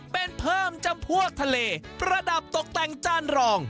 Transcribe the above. เป็นเพิ่มจำพวกทะเลประดับตกแต่งจานรอง